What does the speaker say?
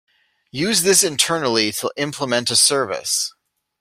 Use this internally to implement a service.